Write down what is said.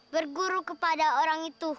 berguruh kepada orang itu